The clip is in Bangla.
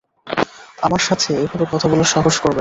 আমার সাথে এভাবে কথা বলার সাহস করবেন না।